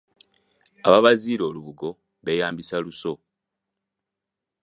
Ababaziira olubugo beyambisa buso.